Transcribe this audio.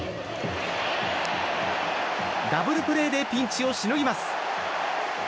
ダブルプレーでピンチをしのぎます。